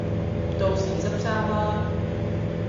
到時執生啦